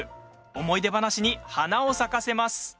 思い出話に花を咲かせます。